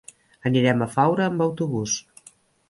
Anirem a Faura amb autobús.